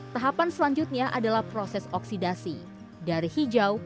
tahapan selanjutnya adalah proses oksidasi dari hijau